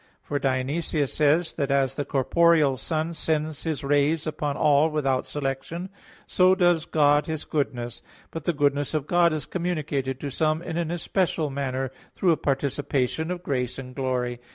For Dionysius says (Div. Nom. iv, 1) that as the corporeal sun sends his rays upon all without selection, so does God His goodness. But the goodness of God is communicated to some in an especial manner through a participation of grace and glory.